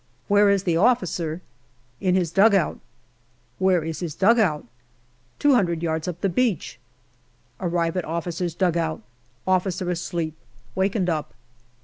" Where is the officer ?"" In his dugout." " Where is his dug out ?"" Two hundred yards up the beach.'* Arrive at officer's dugout. Officer asleep ; wakened up.